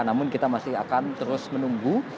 namun kita masih akan terus menunggu